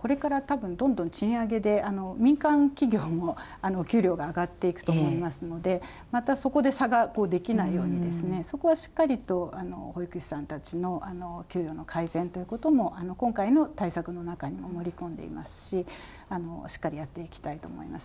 これからたぶん、どんどん賃上げで、民間企業もお給料が上がっていくと思いますので、またそこで差ができないように、そこはしっかりと保育士さんたちの給与の改善ということも今回の対策の中にも盛り込んでいますし、しっかりやっていきたいと思います。